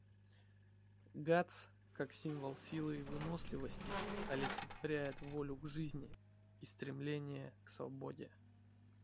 Гатс, как символ силы и выносливости, олицетворяет волю к жизни и стремление к свободе.